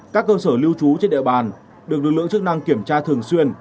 các cơ sở lưu trú trên địa bàn được lực lượng chức năng kiểm tra thường xuyên